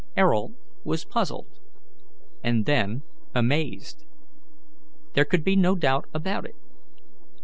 Ayrault was puzzled, and then amazed. There could be no doubt about it.